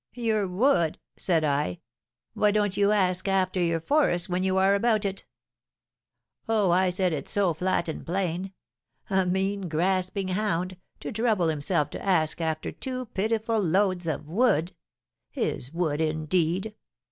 'Your wood?' said I, 'why don't you ask after your forest when you are about it?' Oh, I said it so flat and plain! A mean, grasping hound, to trouble himself to ask after two pitiful loads of wood, his wood, indeed!